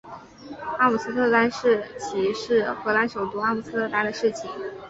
阿姆斯特丹市旗是荷兰首都阿姆斯特丹的市旗。